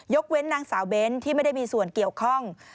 เว้นนางสาวเบ้นที่ไม่ได้มีส่วนเกี่ยวข้อง